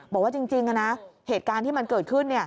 บอกว่าจริงนะเหตุการณ์ที่มันเกิดขึ้น